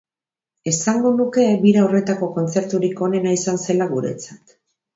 Esango nuke bira horretako kontzerturik onena izan zela guretzat.